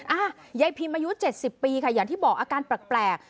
ยายพิมอายุ๗๐ปีค่ะอย่างที่บอกอาการแปลก